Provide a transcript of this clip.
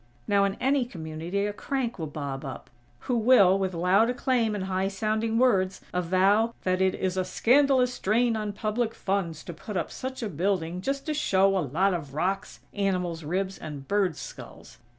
Now, in any community a crank will bob up, who will, with loud acclaim and high sounding words, avow that it "is a scandalous drain on public funds to put up such a building just to show a lot of rocks, animals' ribs and birds' skulls."